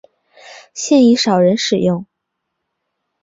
现已少人使用。